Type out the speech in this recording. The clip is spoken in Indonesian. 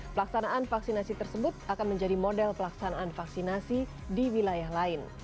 pelaksanaan vaksinasi tersebut akan menjadi model pelaksanaan vaksinasi di wilayah lain